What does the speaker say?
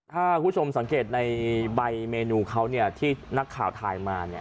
ถ้าคุณผู้ชมสังเกตในใบเมนูเขาที่นักข่าวถ่ายมาเนี่ย